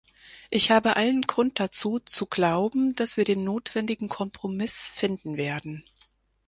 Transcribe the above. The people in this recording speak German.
Ich habe allen Grund dazu, zu glauben, dass wir den notwendigen Kompromiss finden werden.